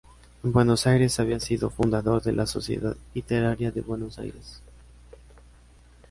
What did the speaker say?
En Buenos Aires había sido fundador de la Sociedad Literaria de Buenos Aires.